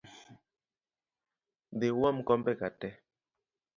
Dhii uom kombe ka tee